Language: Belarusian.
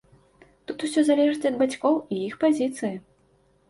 Тут усё залежыць ад бацькоў і іх пазіцыі.